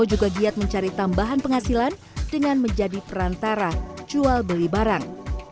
juga giat mencari tambahan penghasilan dengan menjadi perantara jual beli barang